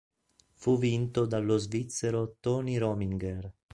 Fu vinto dallo svizzero Tony Rominger.